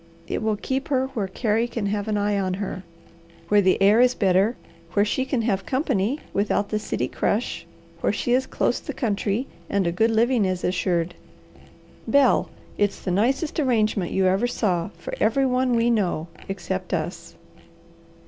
It will keep her where Carey can have an eye on her, where the air is better, where she can have company without the city crush, where she is close the country, and a good living is assured. Bel, it's the nicest arrangement you ever saw for every one we know, except us."